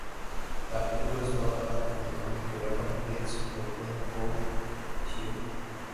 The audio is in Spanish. La película está basada en el cómic Coreano "Priest" por Min-Woo Hyung.